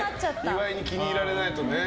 岩井に気に入られないとね。